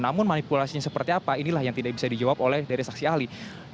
namun manipulasinya seperti apa inilah yang tidak bisa dijawab oleh dari saksi ahli